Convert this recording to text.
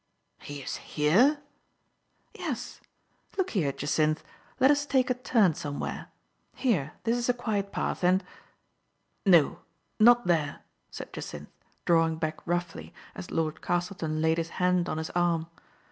" He is here ?" "Yes. Look here, Jacynth; just let us take a turn somewhere ; here, this is a quiet path, and "" No ; not there !" said Jacynth, drawing back roughly, as Lord Castleton laid his hand on his arm.